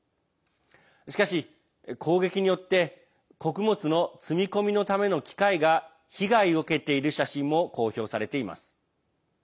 しかし、攻撃によって穀物の積み込みのための機械が被害を受けている写真も公表されています。